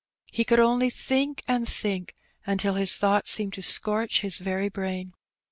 He could only think and think, until his thoughts seemed to scorch his very brain.